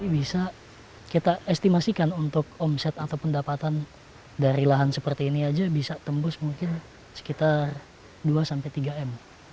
bisa kita estimasikan untuk omset atau pendapatan dari lahan seperti ini aja bisa tembus mungkin sekitar dua sampai tiga m